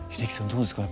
どうですか？